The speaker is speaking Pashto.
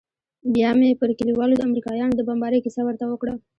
بيا مې پر كليوالو د امريکايانو د بمبارۍ كيسه ورته وكړه.